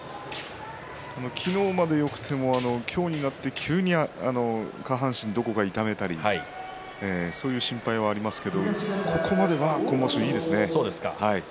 昨日までよくても、今日になって急に下半身をどこか痛めたりそういう心配がありますけどここまでは今場所いいですね。